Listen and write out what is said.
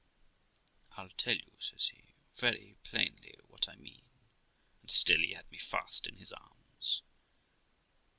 'I'll tell you', says he, 'very plainly what I mean'; and still he held me fast in his arms.